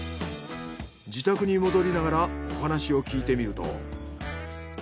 自宅に戻りながらお話を聞いてみると。